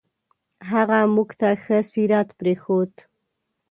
هغه موږ ته ښه سیرت پرېښود.